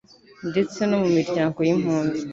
ndetse no mu miryango y'impunzi